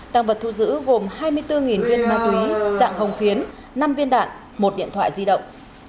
tăng vật thu giữ gồm hai mươi bốn viên ma túy dạng hồng phiến năm viên đạn một điện thoại di động